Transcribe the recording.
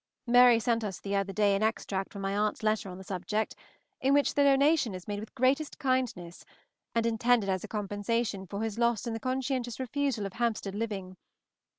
Mary sent us the other day an extract from my aunt's letter on the subject, in which the donation is made with the greatest kindness, and intended as a compensation for his loss in the conscientious refusal of Hampstead living; 100_l.